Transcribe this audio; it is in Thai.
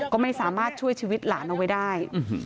ก็ไม่สามารถช่วยชีวิตหลานเอาไว้ได้